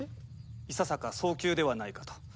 いささか早急ではないかと。